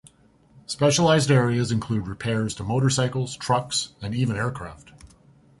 Specialised areas include repairs to motorcycles, trucks and even aircraft.